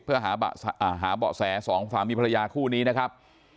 เพื่อหาเบาะแสสองสามีภรรยาคู่นี้นะครับ